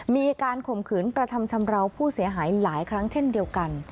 มีการข่มขืนกระทำชำราวผู้เสียหายหลายครั้งเช่นเดียวกัน